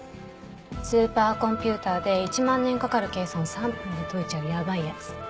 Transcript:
スーパーコンピュータで１万年かかる計算を３分で解いちゃうやばいやつ。